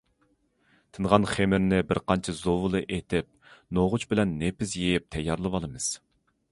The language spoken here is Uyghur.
تىنغان خېمىرنى بىر قانچە زۇۋۇلا ئېتىپ، نوغۇچ بىلەن نېپىز يېيىپ تەييارلىۋالىمىز.